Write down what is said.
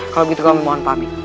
kalau begitu kami mohon pamit